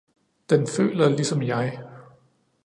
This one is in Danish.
Den føler ligesom jeg